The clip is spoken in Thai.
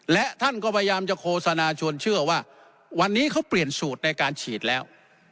และท่านก็พยายามจะโฆษณาชวนเชื่อว่าวันนี้เขาเปลี่ยนสูตรในการฉีดแล้ว